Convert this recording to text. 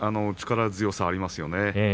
力強さがありますね。